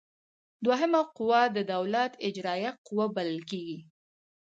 دوهمه قوه د دولت اجراییه قوه بلل کیږي.